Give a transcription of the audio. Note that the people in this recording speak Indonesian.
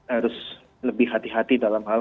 harus lebih hati hati dalam hal